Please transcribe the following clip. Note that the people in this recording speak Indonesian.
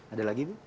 ada lagi ibu